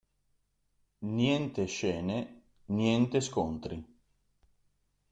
Niente scene, niente scontri.